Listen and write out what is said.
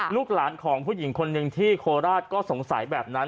ลูกหลานของผู้หญิงคนหนึ่งที่โคราชก็สงสัยแบบนั้น